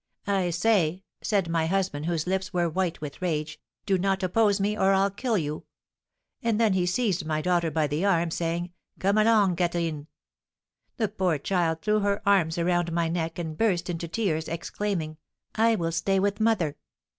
'I say,' said my husband, whose lips were white with rage, 'do not oppose me or I'll kill you!' and then he seized my daughter by the arm, saying, 'Come along, Catherine!' The poor child threw her arms around my neck, and burst into tears, exclaiming, 'I will stay with mother!'